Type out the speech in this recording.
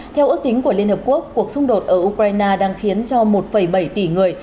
theo ước tính của liên hợp quốc cuộc xung đột ở ukraine đang khiến cho một bảy tỷ người